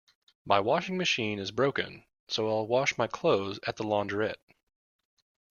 My washing machine is broken, so I'll wash my clothes at the launderette